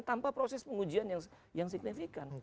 tanpa proses pengujian yang signifikan